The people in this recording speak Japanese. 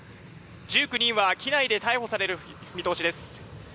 １９人は機内で逮捕される見通しです。